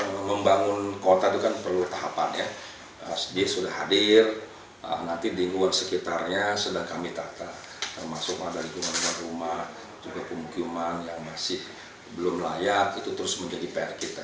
pembangunan pemukiman yang masih belum layak itu terus menjadi pr kita